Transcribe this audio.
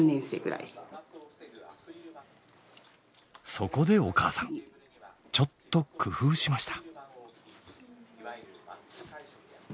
そこでお母さんちょっと工夫しました。